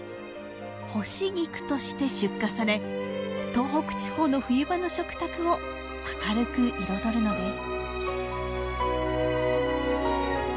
「干し菊」として出荷され東北地方の冬場の食卓を明るく彩るのです。